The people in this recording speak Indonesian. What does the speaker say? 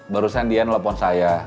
barusan dia nelfon saya